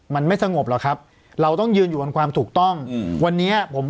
มันไม่สงบหรอกครับเราต้องยืนอยู่บนความถูกต้องอืมวันนี้ผม